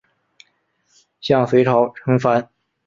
向隋朝称藩。